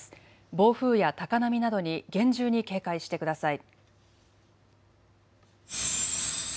暴風や高波などに厳重に警戒してください。